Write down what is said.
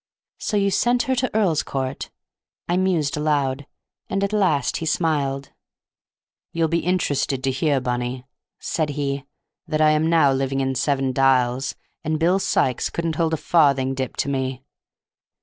"So you sent her to Earl's Court," I mused aloud; and at last he smiled. "You'll be interested to hear, Bunny," said he, "that I am now living in Seven Dials, and Bill Sikes couldn't hold a farthing dip to me.